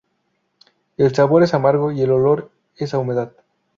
El sabor es amargo y el olor es a humedad.